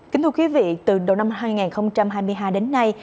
kính thưa quý vị từ đầu năm hai nghìn hai mươi hai đến nay